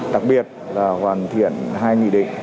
đặc biệt là hoàn thiện hai nghị định